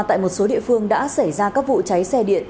tại một số địa phương đã xảy ra các vụ cháy xe điện